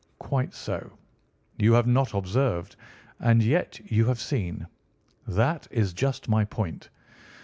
"Quite so! You have not observed. And yet you have seen. That is just my point.